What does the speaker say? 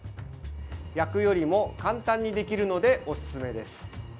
焼くよりも簡単にできるのでおすすめです。